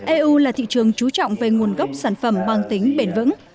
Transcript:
eu là thị trường trú trọng về nguồn gốc sản phẩm mang tính bền vững